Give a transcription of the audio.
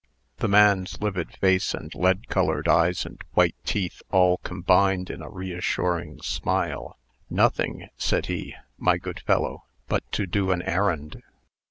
The man's livid face and lead colored eyes and white teeth all combined in a reassuring smile. "Nothing," said he, "my good fellow, but to do an errand."